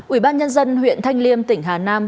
ủy ban nhân dân huyện thanh liêm tỉnh hà nam